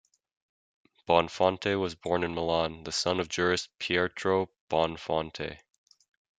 Bonfante was born in Milan, the son of jurist Pietro Bonfante.